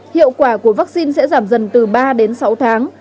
hiệu quả của vaccine sẽ giảm dần từ ba đến sáu tháng